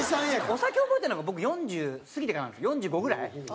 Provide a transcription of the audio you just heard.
お酒覚えたのが僕４０過ぎてからなんですよ。４５ぐらい？